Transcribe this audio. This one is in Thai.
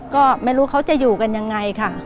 ก็ไม่รู้เขาจะอยู่กันยังไงค่ะ